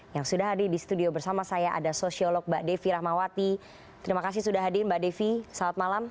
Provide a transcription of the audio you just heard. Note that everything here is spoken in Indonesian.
yang sudah hadir di studio bersama saya ada sosiolog mbak devi rahmawati terima kasih sudah hadir mbak devi selamat malam